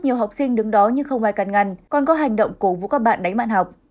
nhiều học sinh đứng đó nhưng không ai cắn ngăn còn có hành động cố vũ các bạn đánh mạng học